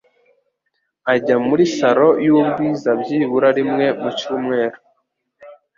Ajya muri salon y'ubwiza byibura rimwe mu cyumweru.